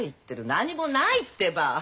何もないってば。